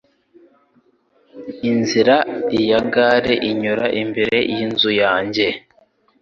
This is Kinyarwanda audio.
Inzira ya gare inyura imbere yinzu yanjye.